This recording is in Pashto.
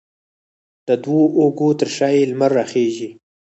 د دوو اوږو ترشا یې، لمر راخیژې